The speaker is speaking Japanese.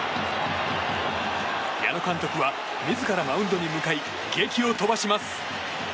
矢野監督は自らマウンドに向かいげきを飛ばします。